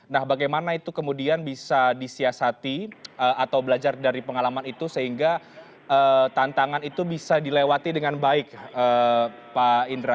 nah bagaimana itu kemudian bisa disiasati atau belajar dari pengalaman itu sehingga tantangan itu bisa dilewati dengan baik pak indra